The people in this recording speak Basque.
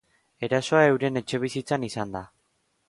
Erasoa euren etxebizitzan izan da.